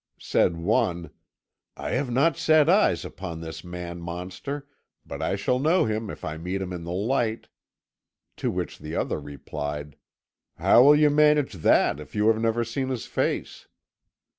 Said one: "I have not set eyes upon this man monster, but I shall know him if I meet him in the light." To which the other replied: "How will you manage that, if you have never seen his face?"